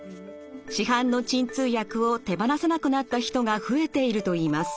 市販の鎮痛薬を手放せなくなった人が増えているといいます。